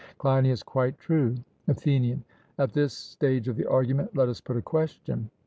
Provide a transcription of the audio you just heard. CLEINIAS: Quite true. ATHENIAN: At this stage of the argument let us put a question.